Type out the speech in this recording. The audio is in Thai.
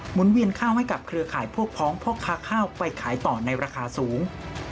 เวียนข้าวให้กับเครือข่ายพวกพ้องพ่อค้าข้าวไปขายต่อในราคาสูง